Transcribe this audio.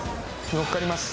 のっかります。